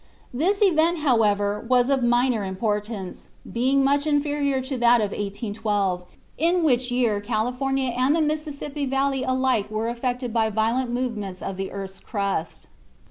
This event, however, was of minor importance, being much inferior to that of 1812, in which year California and the Mississippi Valley alike were affected by violent movements of the earth's crust.